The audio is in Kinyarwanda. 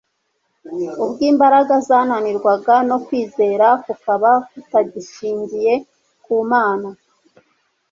Ubwo imbaraga zananirwaga, no kwizera kukaba kutagishingiye ku Mana,